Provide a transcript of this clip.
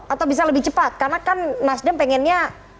atau bisa lebih cepat karena kan mas dem pengennya